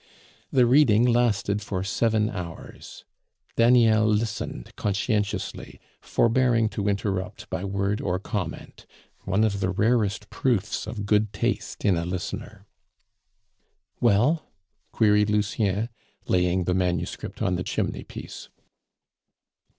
The reading lasted for seven hours. Daniel listened conscientiously, forbearing to interrupt by word or comment one of the rarest proofs of good taste in a listener. "Well?" queried Lucien, laying the manuscript on the chimney piece.